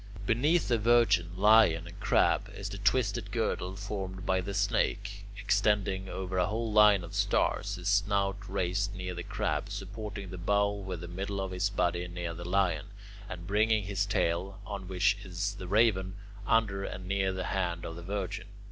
Beneath the Virgin, Lion, and Crab is the twisted girdle formed by the Snake, extending over a whole line of stars, his snout raised near the Crab, supporting the Bowl with the middle of his body near the Lion, and bringing his tail, on which is the Raven, under and near the hand of the Virgin.